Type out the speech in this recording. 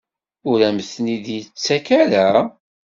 Ur am-ten-id-yettak ara?